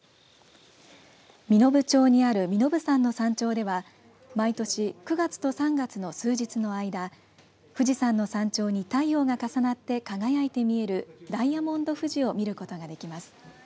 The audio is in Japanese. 身延町にある身延山の山頂では毎年、９月と３月の数日の間富士山の山頂に太陽が重なって輝いて見えるダイヤモンド富士を見ることができます。